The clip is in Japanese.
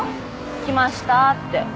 来ましたって。